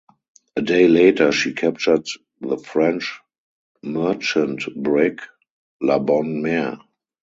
A day later she captured the French merchant brig "La Bonne Mere".